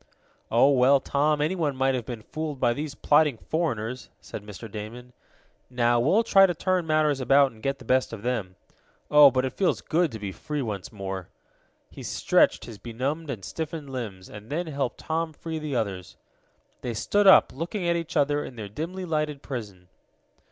"Oh, well, Tom, anyone might have been fooled by those plotting foreigners," said Mr. Damon. "Now, we'll try to turn matters about and get the best of them. Oh, but it feels good to be free once more!" He stretched his benumbed and stiffened limbs and then helped Tom free the others. They stood up, looking at each other in their dimly lighted prison.